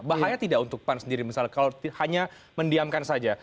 bahaya tidak untuk pan sendiri misalnya kalau hanya mendiamkan saja